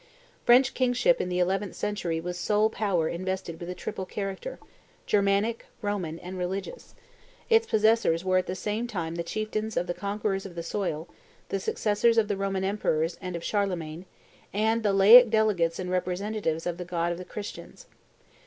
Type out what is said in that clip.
French kingship in the eleventh century was sole power invested with a triple character Germanic, Roman, and religious; its possessors were at the same time the chieftains of the conquerors of the soil, the successors of the Roman emperors and of Charlemagne, and the laic delegates and representatives of the God of the Christians.